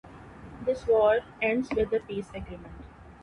This war ends with a peace agreement.